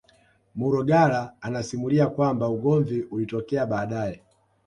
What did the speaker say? Malugala anasimulia kwamba ugomvi ulitokea baadae